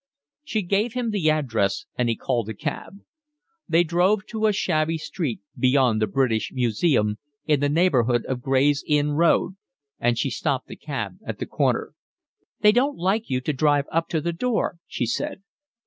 She gave him the address, and he called a cab. They drove to a shabby street beyond the British Museum in the neighbourhood of the Gray's Inn Road, and she stopped the cab at the corner. "They don't like you to drive up to the door," she said.